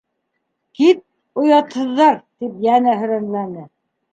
— Кит, оятһыҙҙар! — тип йәнә һөрәнләне.